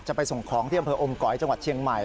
ไปส่งของที่อำเภออมก๋อยจังหวัดเชียงใหม่